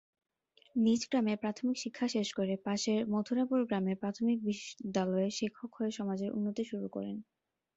নিজে গ্রামে প্রাথমিক শিক্ষা শেষ করে পাশের মথুরাপুর গ্রামের প্রাথমিক বিদ্যালয়ে শিক্ষক হয়ে সমাজের উন্নতি শুরু করেন।